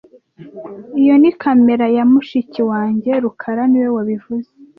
Iyo ni kamera ya mushiki wanjye rukara niwe wabivuze